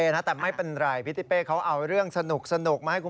แล้วใครเป็นแม่ใครเป็นลูกล่ะทีนี้